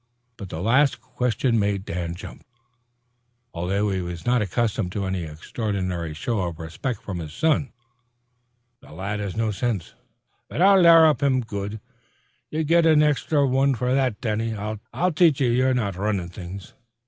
But the last question made Dan jump, although he was not accustomed to any extraordinary show of respect from his son. "The lad has no sinse," he announced, "but I'll larrup him plenty. Ye get an exthry wan f'r that, Danny. I'll tache ye that ye're not runnin' things."